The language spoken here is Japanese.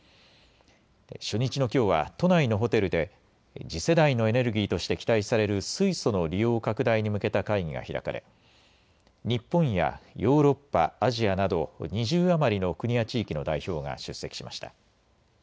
初日のきょうは都内のホテルで次世代のエネルギーとして期待される水素の利用拡大に向けた会議が開かれ日本やヨーロッパ、アジアなど２０余りの国や地域の代表が出席しました。